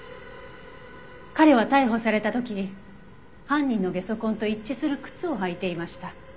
彼は逮捕された時犯人のゲソ痕と一致する靴を履いていました。